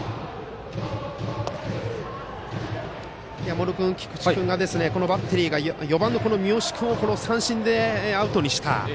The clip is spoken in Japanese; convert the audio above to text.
茂呂君、菊池君のバッテリーが４番の三好君を三振でアウトにした。